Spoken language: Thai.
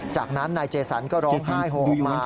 จากนั้นนายเจสันก็ร้องไห้โฮมมา